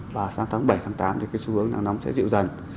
và sáng tháng bảy tháng tám thì cái xu hướng nắng nóng sẽ dịu dần